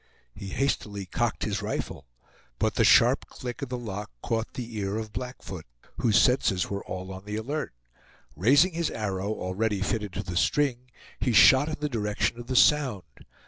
He hastily cocked his rifle, but the sharp click of the lock caught the ear of Blackfoot, whose senses were all on the alert. Raising his arrow, already fitted to the string, he shot in the direction of the sound.